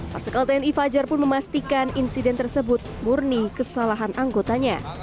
marsikal tni fajar pun memastikan insiden tersebut murni kesalahan anggotanya